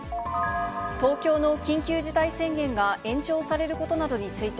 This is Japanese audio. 東京の緊急事態宣言が延長されることなどについて、